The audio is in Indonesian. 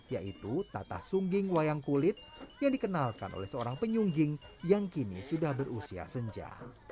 yaitu tatah sungging wayang kulit yang dikenalkan oleh seorang penyungging yang kini sudah berusia senja